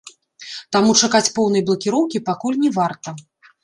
Таму чакаць поўнай блакіроўкі пакуль не варта.